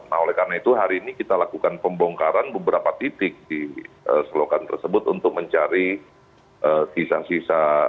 nah oleh karena itu hari ini kita lakukan pembongkaran beberapa titik di selokan tersebut untuk mencari sisa sisa